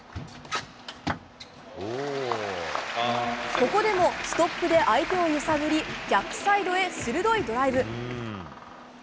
ここでもストップで相手を揺さぶり逆サイドへ鋭いドライブ。